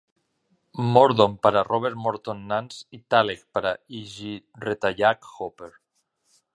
"Mordon" per a Robert Morton Nance i "Talek" per a E. G. Retallack Hooper.